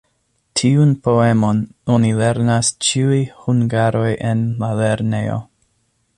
Tiun poemon oni lernas ĉiuj hungaroj en la lernejo.